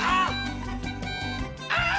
あっ！